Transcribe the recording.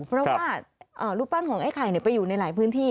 เพราะว่ารูปปั้นของไอ้ไข่ไปอยู่ในหลายพื้นที่